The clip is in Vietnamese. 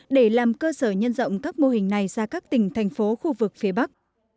để làm cơ sở nhân rộng các mô hình này ra các tỉnh thành phố khu vực phía bắc